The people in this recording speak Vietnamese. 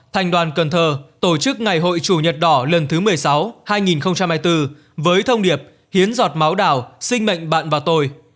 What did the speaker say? thành đoàn cần thơ tổ chức ngày hội chủ nhật đỏ lần thứ một mươi sáu hai nghìn hai mươi bốn với thông điệp hiến giọt máu đảo sinh mệnh bạn và tôi